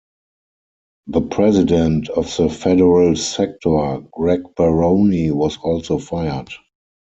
The president of the federal sector, Greg Baroni, was also fired.